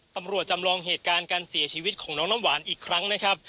ตำรวจจำลองเหตุการณ์การเสียชีวิตของน้องน้ำหวานอีกครั้งนะครับ